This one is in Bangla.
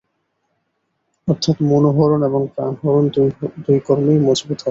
অর্থাৎ, মনোহরণ এবং প্রাণহরণ দুই কর্মেই মজবুত হবে।